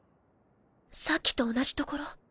さっきと同じところ